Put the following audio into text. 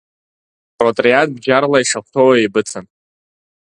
Ротриад бџьарла ишахәҭоу еибыҭан.